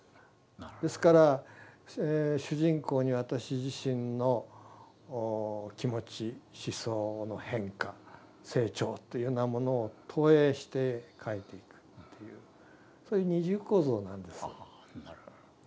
ですから主人公に私自身の気持ち思想の変化成長というようなものを投影して書いていくっていうそういう二重構造なんです。